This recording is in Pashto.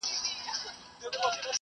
¬ په غم پسي ښادي ده.